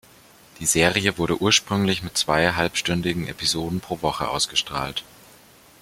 Die Serie wurde ursprünglich mit zwei halbstündigen Episoden pro Woche ausgestrahlt.